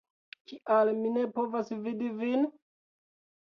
Kial mi ne povas vidi vin?